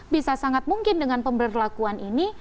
bisa sangat mungkin dengan pemberlakuan ini